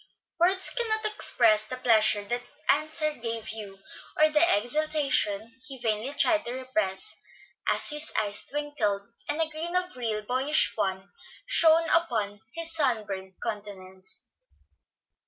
Words cannot express the pleasure that answer gave Hugh, or the exultation he vainly tried to repress, as his eyes twinkled and a grin of real boyish fun shone upon his sunburnt countenance.